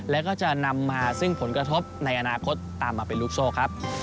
แล้วก็จะนำมาซึ่งผลกระทบในอนาคตตามมาเป็นลูกโซ่ครับ